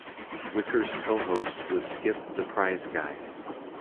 Wicker's co-host was Skip the Prize Guy.